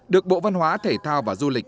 được bộ văn hóa thể thao và du lịch